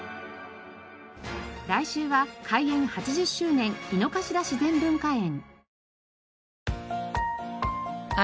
来週は開園８０周年井の頭自然文化園。